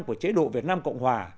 của chế độ việt nam cộng hòa